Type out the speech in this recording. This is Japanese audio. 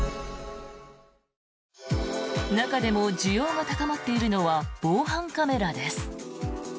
中でも需要が高まっているのは防犯カメラです。